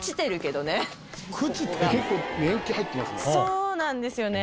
そうなんですよね。